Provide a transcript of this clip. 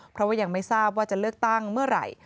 เพราะว่ายังไม่ทราบว่าจะเลือกตั้งเมื่อไหร่